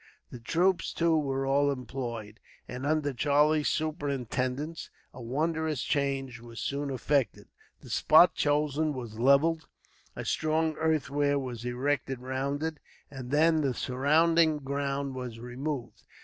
The troops, too, were all employed; and under Charlie's superintendence, a wondrous change was soon effected. The spot chosen was levelled, a strong earthwork was erected round it, and then the surrounding ground was removed.